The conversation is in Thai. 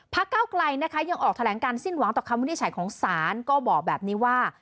เก้าไกลนะคะยังออกแถลงการสิ้นหวังต่อคำวินิจฉัยของศาลก็บอกแบบนี้ว่า